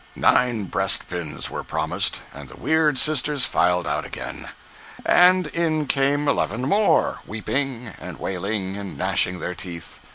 Nine breast pins were promised, and the weird sisters filed out again. And in came eleven more, weeping and wailing and gnashing their teeth.